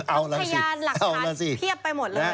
เอาล่ะพยานหลักฐานเพียบไปหมดเลย